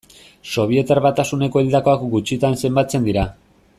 Sobietar Batasuneko hildakoak gutxitan zenbatzen dira.